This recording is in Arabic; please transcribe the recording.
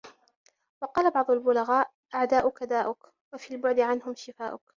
وَقَالَ بَعْضُ الْبُلَغَاءِ أَعْدَاؤُك دَاؤُك وَفِي الْبُعْدِ عَنْهُمْ شِفَاؤُك